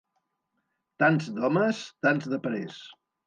Tants d'homes, tants de parers.